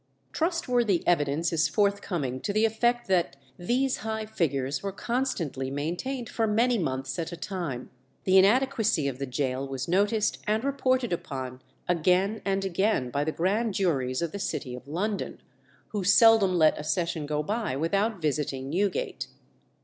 Trustworthy evidence is forthcoming to the effect that these high figures were constantly maintained for many months at a time. The inadequacy of the gaol was noticed and reported upon again and again by the grand juries of the city of London, who seldom let a session go by without visiting Newgate.